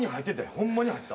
ホンマに入ってた。